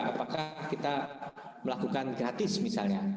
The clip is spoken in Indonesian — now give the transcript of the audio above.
apakah kita melakukan gratis misalnya